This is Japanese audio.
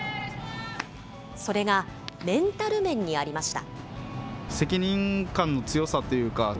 それが、メンタル面にありました。